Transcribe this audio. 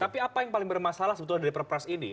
tapi apa yang paling bermasalah sebetulnya dari perpres ini